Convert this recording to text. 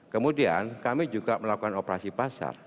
kemudian kami juga melakukan operasi pasar